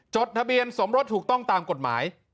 จดทะเบียนสมรสถูกต้องตามกฎหมาย